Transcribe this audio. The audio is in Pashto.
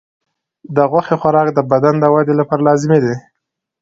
د غوښې خوراک د بدن د ودې لپاره لازمي دی.